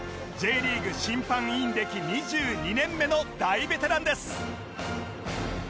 Ｊ リーグ審判員歴２２年目の大ベテランです